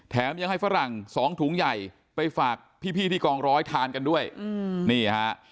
แถมยังให้ฝรั่งสองถุงใหญ่ไปฝากพี่ที่กองร้อยทานกันด้วยนี่ฮะ